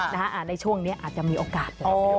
ในช่วงนี้อาจจะมีโอกาสแหละ